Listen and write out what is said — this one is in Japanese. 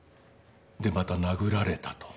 でまた殴られたと。